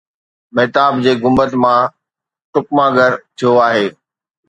مهتاب جي گنبد مان ٽڪما گر ٿيو آهي؟